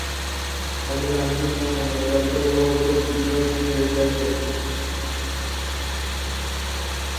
সাধু রামজি, তোমার ভারত লাল তো খুব জোশ নিয়ে বেঁচে আছে।